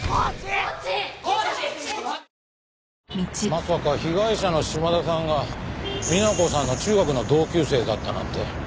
まさか被害者の島田さんが美奈子さんの中学の同級生だったなんて。